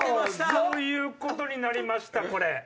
そういうことになりました。